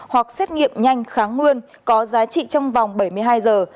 hoặc xét nghiệm nhanh kháng nguyên có giá trị trong vòng bảy mươi hai giờ